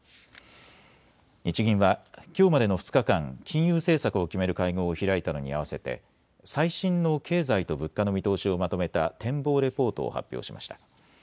日銀はきょうまでの２日間、金融政策を決める会合を開いたのに合わせて最新の経済と物価の見通しをまとめた展望レポートを発表しました。